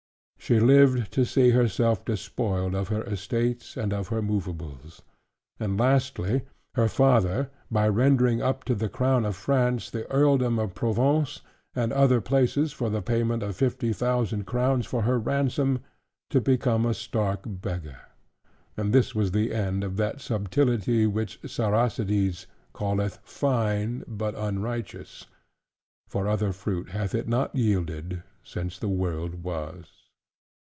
She lived to see herself despoiled of her estate, and of her moveables: and lastly, her father, by rendering up to the Crown of France the Earldom of Provence and other places, for the payment of fifty thousand crowns for her ransom, to become a stark beggar. And this was the end of that subtility, which Siracides calleth "fine" but "unrighteous:" for other fruit hath it never yielded since the world was.